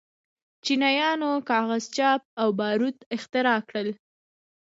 چینایانو کاغذ، چاپ او باروت اختراع کړل.